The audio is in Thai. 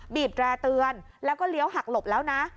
แร่เตือนแล้วก็เลี้ยวหักหลบแล้วนะ